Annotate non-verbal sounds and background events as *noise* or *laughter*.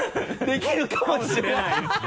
「できるかもしれない」 *laughs*